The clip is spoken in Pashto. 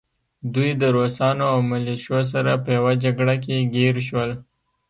دوی د روسانو او ملیشو سره په يوه جګړه کې ګیر شول